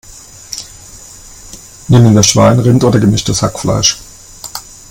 Nehmen wir Schwein, Rind oder gemischtes Hackfleisch?